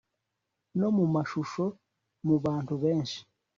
no mu mashusho mu bantu benshi